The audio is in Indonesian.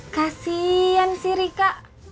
kasian sih rika